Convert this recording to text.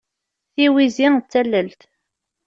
Tiwizi d tallelt.